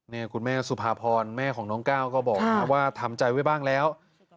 นี่คุณแม่สุภาพรแม่ของน้องก้าวก็บอกว่าทำใจไว้บ้างแล้ว